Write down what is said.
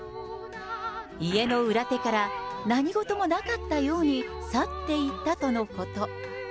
家の裏手から何事もなかったように去っていったとのこと。